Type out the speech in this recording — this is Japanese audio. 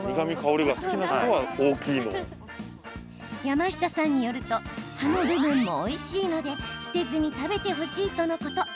山下さんによると葉の部分もおいしいので捨てずに食べてほしいとのこと。